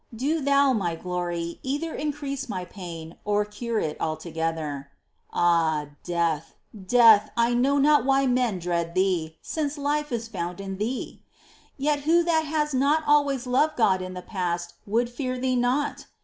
Do Thou, my Glory, either increase my pain, or cure it altogether. 4. Ah, death, death, I know not why men dread thee, since life is found in thee ! Yet who that has not always loved God in the past would fear thee not